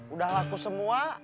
udah laku semua